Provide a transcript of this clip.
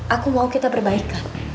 aku mau kita berbaikan